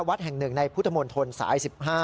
วัดแห่งหนึ่งในพุทธมนตรสาย๑๕